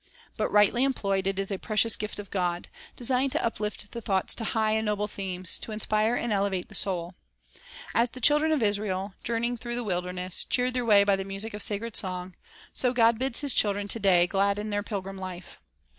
But, rightly employed, it is a precious gift of God, designed to uplift the thoughts to high and noble themes, to inspire and elevate the soul. As the children of Israel, journeying through the Power g of Soii£ wilderness, cheered their way by the music of sacred song, so God bids His children to day gladden their pilgrim life.